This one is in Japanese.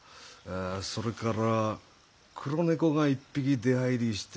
それから黒猫が一匹出はいりしてて。